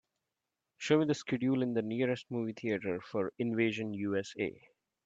Show me the schedule in the nearest movie theatre for Invasion U.S.A..